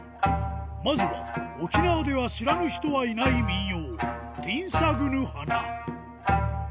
まずは沖縄では知らぬ人はいない民謡